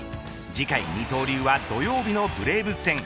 次回二刀流は土曜日のブレーブス戦。